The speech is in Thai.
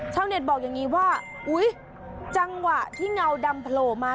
เน็ตบอกอย่างนี้ว่าอุ๊ยจังหวะที่เงาดำโผล่มา